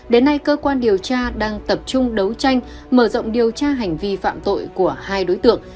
đến nay cơ quan điều tra đang tập trung đấu tranh mở rộng điều tra hành vi phạm tội của hai đối tượng